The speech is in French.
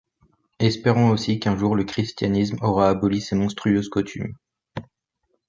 Espérons aussi qu’un jour le christianisme aura aboli ces monstrueuses coutumes.